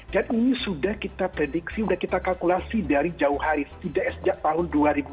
dan ini sudah kita prediksi sudah kita kalkulasi dari jauh hari tidak sejak tahun dua ribu dua belas